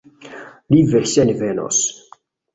Li verŝajne venos.